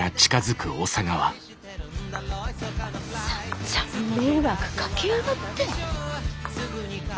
さんざん迷惑かけやがって。